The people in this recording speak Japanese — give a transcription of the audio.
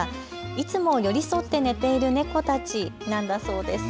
いつも寄り添って寝ている猫たちなんだそうです。